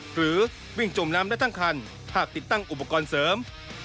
หรือวิ่งจมน้ำได้ทั้งคันหากติดตั้งอุปกรณ์เสริม